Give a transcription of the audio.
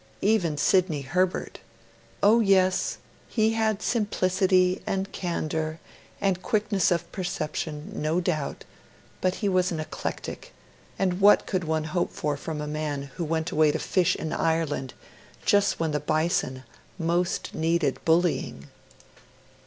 Even Sidney Herbert ... oh yes, he had simplicity and candour and quickness of perception, no doubt; but he was an eclectic; and what could one hope for from a man who went away to fish in Ireland just when the Bison most needed bullying?